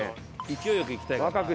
勢いよくいきたいからさ。